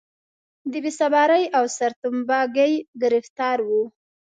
د بې صبرۍ او سرتمبه ګۍ ګرفتار و.